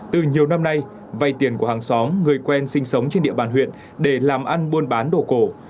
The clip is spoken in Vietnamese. từ nhiều năm nay vay tiền của hàng xóm người quen sinh sống trên địa bàn huyện để làm ăn buôn bán đồ cổ